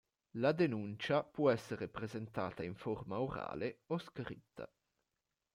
La denuncia può essere presentata in forma orale o scritta.